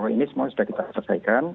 ini semua sudah kita selesaikan